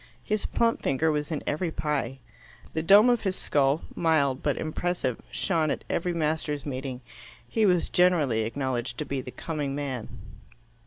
His plump finger was in every pie. The dome of his skull, mild but impressive, shone at every master's meeting. He was generally acknowledged to be the coming man.